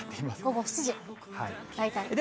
午後７時、大体。